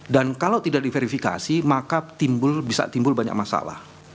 dan kalau tidak diverifikasi maka bisa timbul banyak masalah